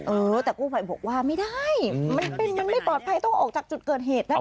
เออแต่กู้ภัยบอกว่าไม่ได้มันไม่ปลอดภัยต้องออกจากจุดเกิดเหตุนะคะ